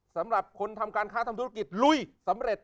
สำหรับคนทำการค้าทำธุรกิจลุยสำเร็จ